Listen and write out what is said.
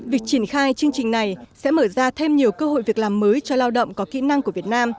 việc triển khai chương trình này sẽ mở ra thêm nhiều cơ hội việc làm mới cho lao động có kỹ năng của việt nam